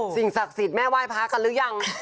สิ่งศักดิ์สิทธิ์แม่ไหว้พระกันหรือยัง